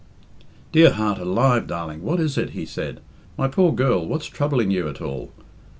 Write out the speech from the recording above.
"Dear heart alive, darling, what is it?" he said. "My poor girl, what's troubling you at all?